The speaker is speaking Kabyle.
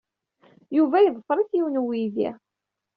Yuba yeḍfer-it yiwen n uydi.